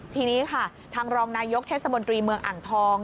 ทีนี้ค่ะทางรองนายกเทศมนตรีเมืองอ่างทอง